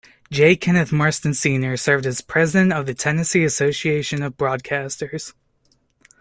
J. Kenneth Marston, Senior served as President of the Tennessee Association of Broadcasters.